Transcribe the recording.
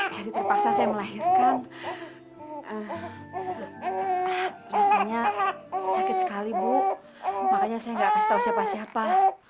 jadi terpaksa saya melahirkan rasanya sakit sekali bu makanya saya ngga kasih tau siapa siapa